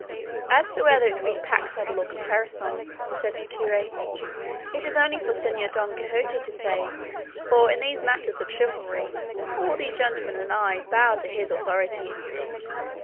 "As to whether it be pack saddle or caparison," said the curate, "it is only for Señor Don Quixote to say; for in these matters of chivalry all these gentlemen and I bow to his authority."